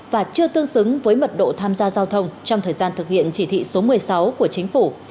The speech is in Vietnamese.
và chưa tương xứng với mật độ tham gia giao thông trong thời gian thực hiện chỉ thị số một mươi sáu của chính phủ